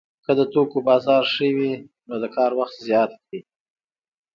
که د توکو بازار ښه وي نو د کار وخت زیات کړي